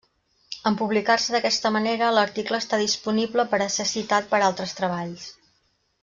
En publicar-se d'aquesta manera, l'article està disponible per a ser citat per altres treballs.